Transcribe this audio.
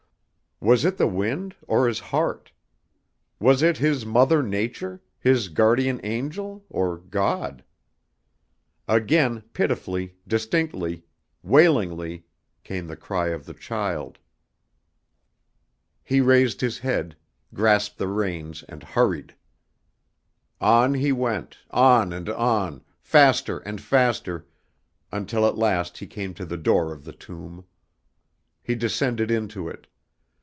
Was it the wind or his heart? Was it his Mother Nature, his Guardian Angel, or God? Again pitifully, distinctly, wailingly, came the cry of the child. He raised his head, grasped the reins and hurried. On he went, on and on, faster and faster, until at last he came to the door of the tomb. He descended into it.